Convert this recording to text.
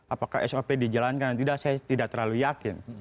apakah sop dijalankan atau tidak saya tidak terlalu yakin